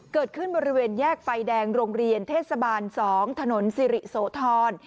เกิดขึ้นบริเวณแยกไฟแดงโรงเรียนเทศบาล๒ถนนสิริโสธร